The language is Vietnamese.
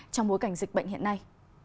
trong bối cảnh dịch bệnh hiện nay